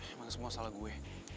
emang semua salah gue